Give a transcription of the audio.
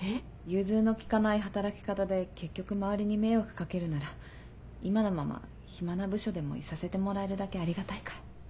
融通の利かない働き方で結局周りに迷惑掛けるなら今のまま暇な部署でもいさせてもらえるだけありがたいから。